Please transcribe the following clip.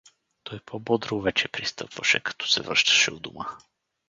Той по-бодро вече пристъпваше, като се връщаше дома.